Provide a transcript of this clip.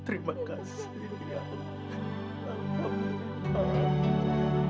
terima kasih ya allah